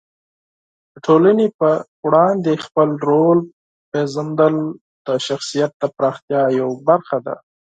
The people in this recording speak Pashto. د ټولنې په وړاندې خپل رول پېژندل د شخصیت د پراختیا یوه برخه ده.